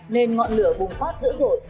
nên ngọn lửa bùng phát dữ dội